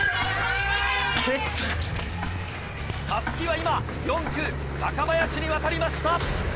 襷は今４区若林に渡りました。